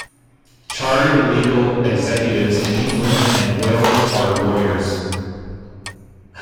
Chartered Legal Executives in England and Wales are lawyers.